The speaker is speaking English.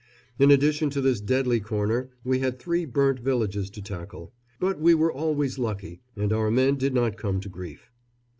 In addition to this deadly corner we had three burnt villages to tackle; but we were always lucky, and our men did not come to grief.